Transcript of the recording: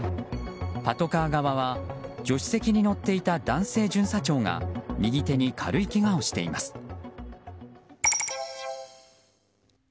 パトカー側は助手席に乗っていた男性巡査長が右手に軽いけがをしています。